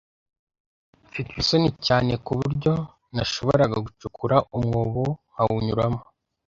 Mfite isoni cyane kuburyo nashoboraga gucukura umwobo nkawunyuramo.